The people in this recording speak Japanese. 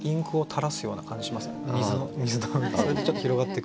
水のそれでちょっと広がっていく。